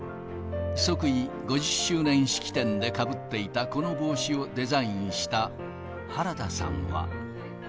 即位５０周年式典でかぶっていた、この帽子をデザインした、原田さんは。